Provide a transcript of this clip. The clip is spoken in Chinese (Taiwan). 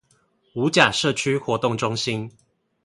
五甲社區活動中心